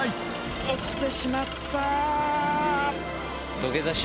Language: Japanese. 落ちてしまった。